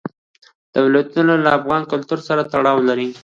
دا ولایتونه له افغان کلتور سره تړاو لري.